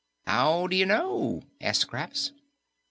"How do you know?" asked Scraps.